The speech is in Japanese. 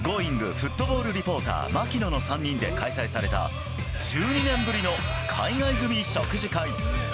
フットボールリポーター、槙野の３人で開催された１２年ぶりの海外組食事会。